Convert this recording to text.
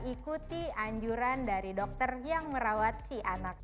ikuti anjuran dari dokter yang merawat si anak